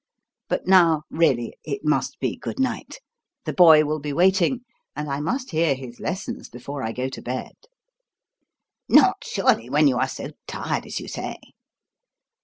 But now, really, it must be good night. The boy will be waiting and I must hear his lessons before I go to bed." "Not surely when you are so tired as you say?"